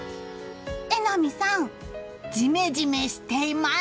榎並さん、ジメジメしています。